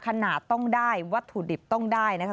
ขนาดต้องได้วัตถุดิบต้องได้นะคะ